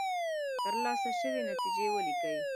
ترلاسه شوې نتیجې ولیکئ.